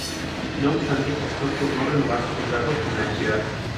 No obstante, optó por no renovar su contrato con la entidad.